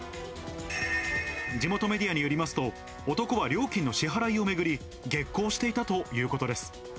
地元メディアによりますと、男は料金の支払いを巡り、激高していたということです。